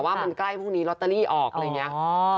ว่ามันใกล้พรุ่งนี้ลอตเตอรี่ออกอะไรอย่างนี้